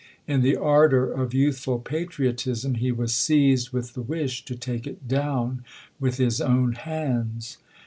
In the ardor of youthful patriotism he was seized with the wish to take it down with his own hands.